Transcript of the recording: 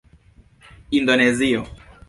indonezio